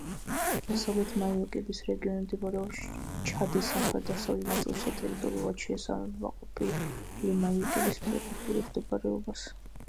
დასავლეთი მაიო-კების რეგიონი მდებარეობს ჩადის სამხრეთ-დასავლეთ ნაწილში და ტერიტორიულად შეესაბამება ყოფილი მაიო-კების პრეფექტურის მდებარეობას.